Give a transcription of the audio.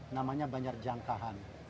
namanya banjar jangkahan